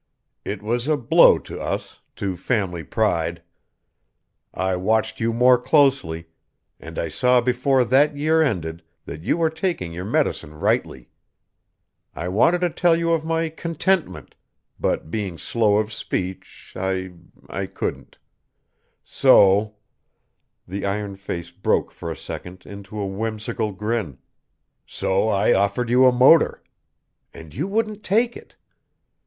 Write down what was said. It was a blow to us to family pride. I watched you more closely, and I saw before that year ended that you were taking your medicine rightly. I wanted to tell you of my contentment, but being slow of speech I couldn't. So" the iron face broke for a second into a whimsical grin "so I offered you a motor. And you wouldn't take it.